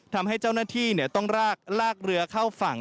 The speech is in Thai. ทำให้เจ้าหน้าที่ต้องลากเรือเข้าฝั่ง